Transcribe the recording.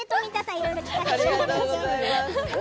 いろいろ聞かせてくれて。